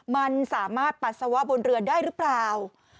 มันสามารถปัสสาวะบนเรือได้หรือเปล่า